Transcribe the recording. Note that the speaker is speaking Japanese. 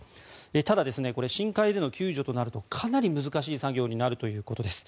ただ、深海での救助となるとかなり難しい作業になるということです。